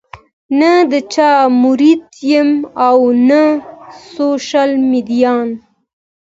نۀ د چا مريد يم او نۀ سوشل ميډيا